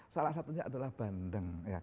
salah satunya adalah bandeng